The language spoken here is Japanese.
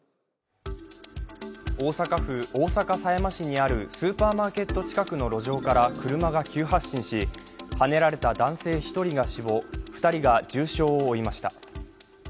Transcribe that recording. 大阪府大阪狭山市にあるスーパーマーケット近くの路上から路上から車が急発進しはねられた男性１人が死亡、２人が重傷を負いました。